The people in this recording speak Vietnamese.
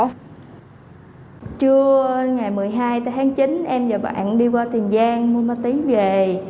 trưa ngày một mươi hai tháng chín em và bạn đi qua tiền giang mua ma túy về